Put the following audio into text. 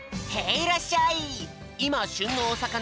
いらっしゃい！